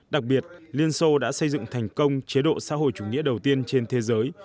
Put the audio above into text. đặc biệt liên xô đã xây dựng thành công chế độ xã hội chủ nghĩa đầu tiên trên thế giới